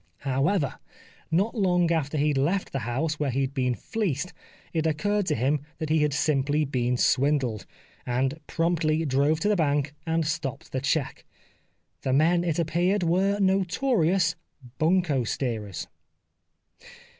However, not long after he had left the house where he had been fleeced it occurred to him that he had simply been swindled, and promptly drove to the bank and stopped the cheque. The men, it appeared were notorious " bunco steerers."